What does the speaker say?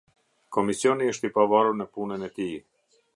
Komisioni është i pavarur në punën e tij.